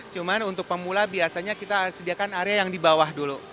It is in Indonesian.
cuma untuk pemula biasanya kita sediakan area yang di bawah dulu